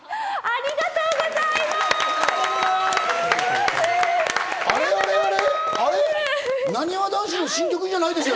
ありがとうございます。